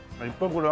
これ。